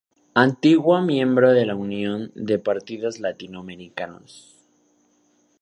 Antiguo miembro de la Unión de Partidos Latinoamericanos.